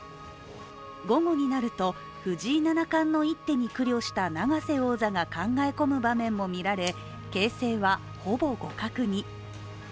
午後になると藤井七冠の一手に苦慮した永瀬王座が考え込む場面も見られ、形勢はほぼ互角に。